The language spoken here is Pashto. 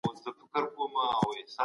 تاسو ته بریالیتوب غواړم.